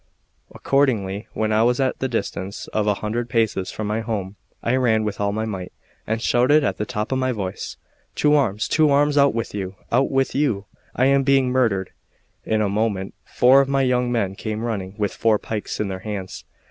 Accordingly, when I was at the distance of a hundred paces from my home, I ran with all my might, and shouted at the top of my voice: "To arms, to arms! out with you, out with you! I am being murdered." In a moment four of my young men came running, with four pikes in their hands.